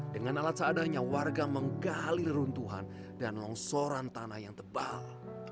dengan alat seadanya warga menggali runtuhan dan longsoran tanah yang tebal